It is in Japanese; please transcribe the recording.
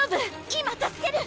今助ける！